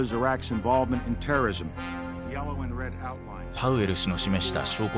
パウエル氏の示した証拠